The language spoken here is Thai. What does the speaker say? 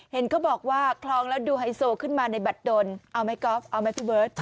เห็นเขาบอกว่าคลองแล้วดูไฮโซขึ้นมาในบัตรดนเอาไหมกอล์ฟเอาไหมพี่เบิร์ต